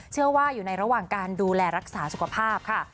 เชื่อว่าอยู่ในระหว่างการดูแลรักษาสุขภาพค่ะ